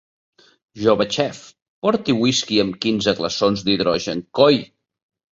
Jove xef, porti whisky amb quinze glaçons d'hidrogen, coi!